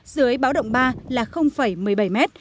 dưới báo động ba là một mươi bảy m